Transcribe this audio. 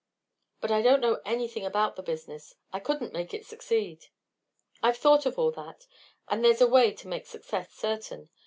"But I don't know anything about the business. I couldn't make it succeed." "I've thought of all that, and there's a way to make success certain.